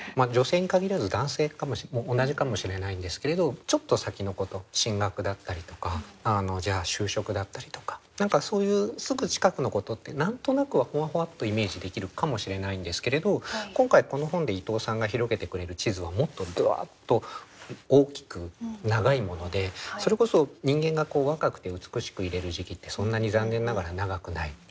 女性に限らず男性も同じかもしれないんですけれどちょっと先のこと進学だったりとかじゃあ就職だったりとか何かそういうすぐ近くのことって何となくはふわふわっとイメージできるかもしれないんですけれど今回この本で伊藤さんが広げてくれる地図はもっとダッと大きく長いものでそれこそ人間が若くて美しくいれる時期ってそんなに残念ながら長くない。